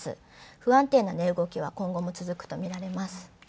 不安定な値動きは今後も続くと見られます。